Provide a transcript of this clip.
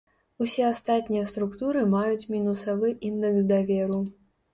Усе астатнія структуры маюць мінусавы індэкс даверу.